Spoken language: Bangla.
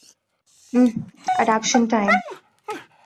Uh, adoption time.